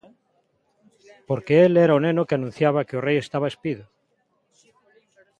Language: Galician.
Porque el era o neno que anunciaba que o rei estaba espido.